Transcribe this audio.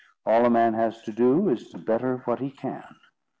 All a man has to do, is to better what he can.